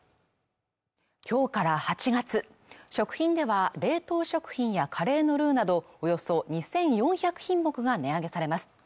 今日から８月食品では冷凍食品やカレーのルーなどおよそ２４００品目が値上げされます